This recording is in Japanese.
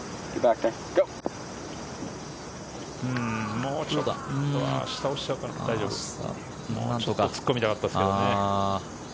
もうちょっと突っ込みたかったですけどね。